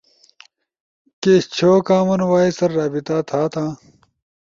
کی چھو کامن وائس ست رابطہ تھاتا؟